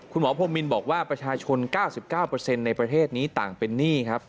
คุณหมอพรมมินบอกว่าประชาชน๙๙ในประเทศนี้ต่างเป็นหนี้ครับ